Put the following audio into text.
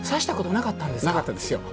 なかったんですよ。